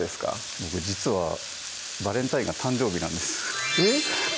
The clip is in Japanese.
僕実はバレンタインが誕生日なんですえっ？